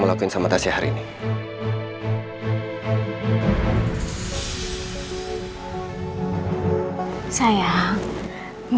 masih bisa menungguasi dirinya nanti